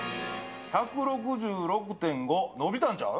１６６．５、伸びたんちゃう？